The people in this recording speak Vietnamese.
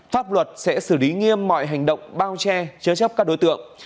pháp luật sẽ xử lý nghiêm mọi hành động bao che chớ chấp các đối tượng